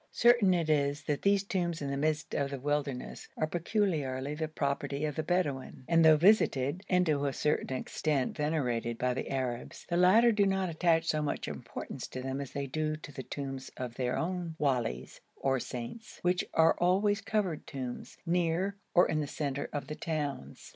Certain it is that these tombs in the midst of the wilderness are peculiarly the property of the Bedouin, and, though visited, and to a certain extent venerated, by the Arabs, the latter do not attach so much importance to them as they do to the tombs of their own walis or saints, which are always covered tombs, near or in the centre of the towns.